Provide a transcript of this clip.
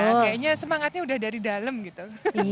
kayaknya semangatnya udah dari dalam gitu